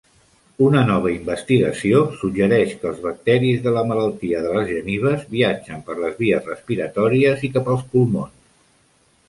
Una nova investigació suggereix que els bacteris de la malaltia de les genives viatgen per les vies respiratòries i cap als pulmons